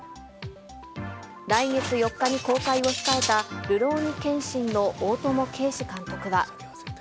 来月４日に公開を控えたるろうに剣心の大友啓史監督は。